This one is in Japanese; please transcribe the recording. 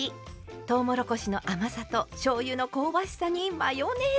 とうもろこしの甘さとしょうゆの香ばしさにマヨネーズ。